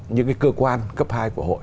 những cơ quan cấp hai của hội